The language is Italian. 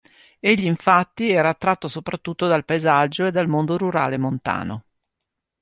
Egli, infatti, era attratto soprattutto dal paesaggio e dal mondo rurale montano.